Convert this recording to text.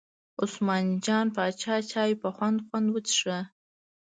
عثمان جان پاچا چای په خوند خوند وڅښه.